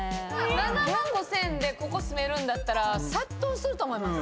７万５，０００円でここ住めるなら殺到すると思います。